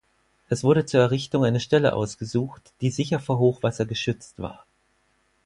Es wurde zur Errichtung eine Stelle ausgesucht, die sicher vor Hochwasser geschützt war.